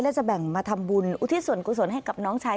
และจะแบ่งมาทำบุญอุทิศส่วนกุศลให้กับน้องชาย